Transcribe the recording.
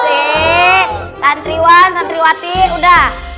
oke santriwan santriwati udah